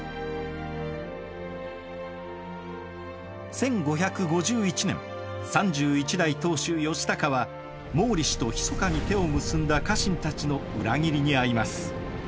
１５５１年３１代当主義隆は毛利氏とひそかに手を結んだ家臣たちの裏切りに遭います。